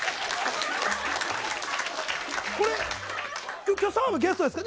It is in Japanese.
これ、今日は澤部がゲストですか？